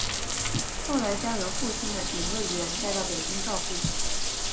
后来交由父亲的警卫员带到北京照顾。